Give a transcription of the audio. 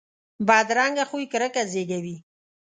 بدرنګه خوی کرکه زیږوي